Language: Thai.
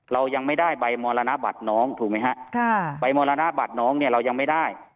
เรายังไม่ได้ใบมรณบัตรน้องถูกไหมฮะค่ะใบมรณบัตรน้องเนี่ยเรายังไม่ได้